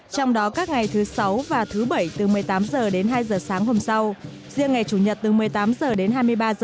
trong đó các ngày thứ sáu và thứ bảy từ một mươi tám h đến hai h sáng hôm sau riêng ngày chủ nhật từ một mươi tám h đến hai mươi ba h